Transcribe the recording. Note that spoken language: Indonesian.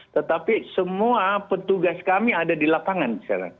tetapi semua petugas kami ada di lapangan